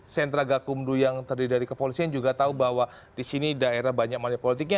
sentra gakumdu yang terdiri dari kepolisian juga tahu bahwa di sini daerah banyak money politiknya